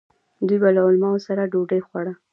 دوی به له علماوو سره ډوډۍ خوړه.